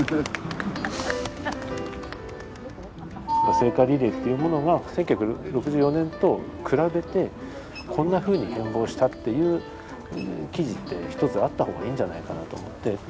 聖火リレーっていうものが１９６４年と比べてこんなふうに変貌したっていう記事ってひとつあった方がいいんじゃないかなと思って。